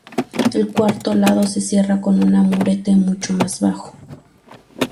El cuarto lado se cierra con un murete mucho más bajo.